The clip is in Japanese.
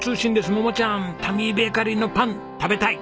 桃ちゃんタミーベーカリーのパン食べたい。